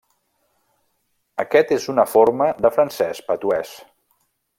Aquest és una forma de francès patuès.